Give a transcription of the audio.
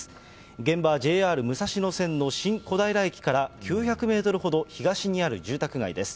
現場はＪＲ武蔵野線の新小平駅から９００メートルほど東にある住宅街です。